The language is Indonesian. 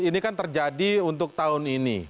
ini kan terjadi untuk tahun ini